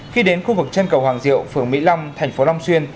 khi đến khu vực chân cầu hoàng diệu phường mỹ long thành phố long xuyên